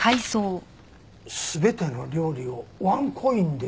全ての料理をワンコインでですか？